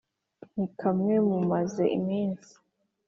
Nti: Nkamwe mumaze iminsi